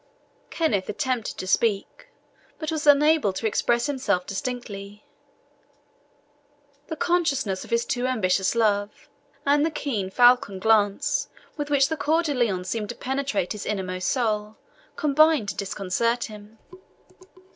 Kenneth attempted to speak, but was unable to express himself distinctly; the consciousness of his too ambitious love, and the keen, falcon glance with which Coeur de Lion seemed to penetrate his inmost soul, combining to disconcert him.